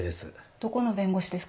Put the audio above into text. どこの弁護士ですか？